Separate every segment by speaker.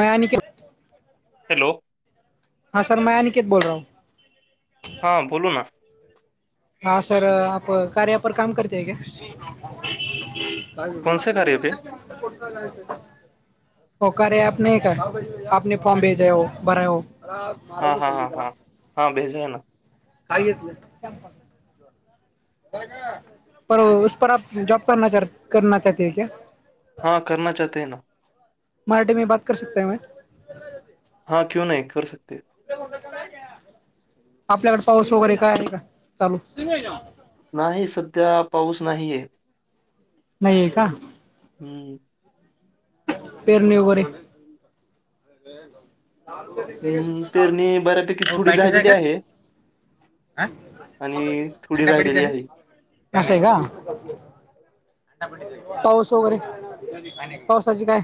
Speaker 1: माया नी करू
Speaker 2: हॅलो.
Speaker 1: [unintelligible]
Speaker 2: हा [unintelligible]
Speaker 1: [unintelligible] काय झालं
Speaker 2: कौन से कार्य पे
Speaker 1: बाकीची [unintelligible] [unintelligible]
Speaker 2: हा हा हा हा [unintelligible]
Speaker 1: काय घेतलं [unintelligible] [unintelligible]
Speaker 2: [unintelligible]
Speaker 1: [unintelligible]
Speaker 2: [unintelligible]
Speaker 1: [unintelligible] आपल्याकडे पाऊस वगैरे काय आहे का चालू [unintelligible]
Speaker 2: नाही सध्या पाऊस नाहीये.
Speaker 1: नाहीये का?
Speaker 2: हं.
Speaker 1: पेरणी वगैरे [inaudible] दहा रुपयचे ते
Speaker 2: हम्म,
Speaker 1: सुध्दा दारू
Speaker 2: पेरणी बऱ्यापैकी थोडी
Speaker 1: पितात [unintelligible] काय काय
Speaker 2: झालेली
Speaker 1: काय
Speaker 2: आहे
Speaker 1: आ
Speaker 2: आणि थोडी
Speaker 1: अंडा पॅटीस
Speaker 2: राहिलेली
Speaker 1: आहे ना? असं का. पाऊस वगैरे पावसाची काय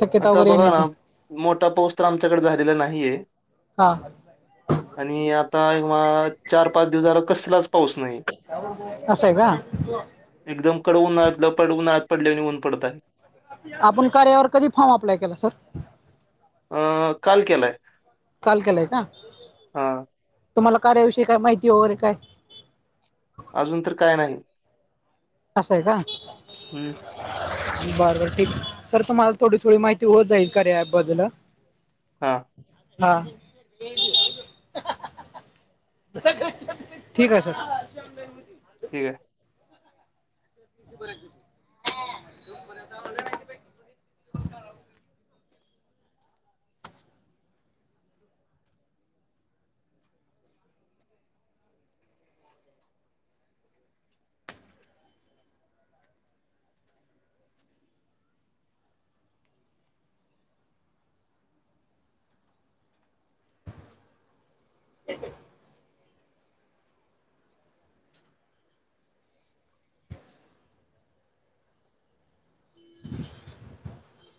Speaker 1: शक्यता
Speaker 2: आता
Speaker 1: वगैरे
Speaker 2: बघा ना,
Speaker 1: येण्याची
Speaker 2: मोठा पाऊस तर आमच्याकडे झालेला नाहीये.
Speaker 1: हा.
Speaker 2: आणि आता या, चार-पाच दिवस झालं कसलाच पाऊस नाही.
Speaker 1: असेय कां.
Speaker 2: एकदम कडक उन्हाळ्यात पड उन्हाळ्यात पडल्यावाणी ऊन पडत‌ आहे.
Speaker 1: आपण कार्यावर कधी फॉर्म अप्लाय केला सर.
Speaker 2: अं.. काल केलाय.
Speaker 1: काल केलाय का?
Speaker 2: हां.
Speaker 1: तुम्हाला कार्याविषयी काय माहिती वगैरे काय?
Speaker 2: अजून तर काय नाही
Speaker 1: अस ए कां.
Speaker 2: हम्म.
Speaker 1: बर बर ठीक आहे सर तुम्हाला थोडी थोडी माहिती होत जाईल कार्या ॲप बद्दल आ.
Speaker 2: हा.
Speaker 1: हा सगळं छान ठीक आहे सर.
Speaker 2: ठीक ए.
Speaker 1: किती [unintelligible] [unintelligible] [inaudible]